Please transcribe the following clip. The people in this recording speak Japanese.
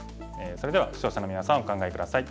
それでは視聴者のみなさんお考え下さい。